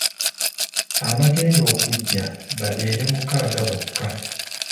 Abagenda okujja babeere mukaaga bokka.